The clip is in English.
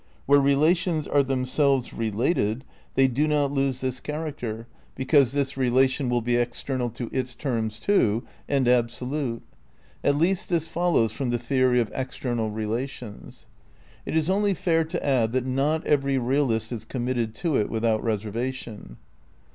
Where relations are themselves related they do not lose this character, be 30 THE NEW IDEALISM n cause this relation will be external to its terms, too, and absolute. At least this follows from the theory of external relations. It is only fair to add that not every realist is committed to it without reservation.